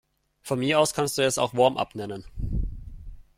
Von mir aus kannst du es auch Warmup nennen.